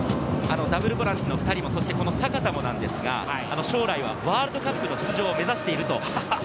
ダブルボランチの２人も阪田もなんですが、将来はワールドカップの出場を目指している。